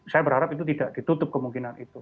saya berharap itu tidak ditutup kemungkinan itu